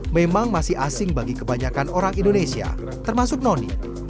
memang masih asing bagi kebanyakan orang indonesia termasuk noni